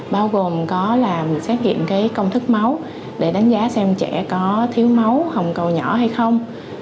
bao gồm có là xét nghiệm cái công thức máu để đánh giá xem trẻ có thiếu máu hồng cầu nhỏ hay không